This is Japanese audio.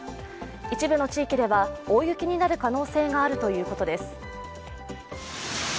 一部の地域では、大雪になる可能性があるということです。